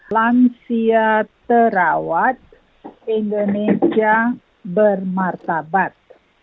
lansia terawat indonesia bermartabat